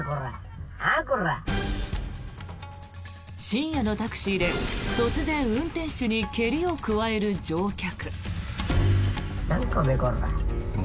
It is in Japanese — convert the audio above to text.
深夜のタクシーで突然運転手に蹴りを加える乗客。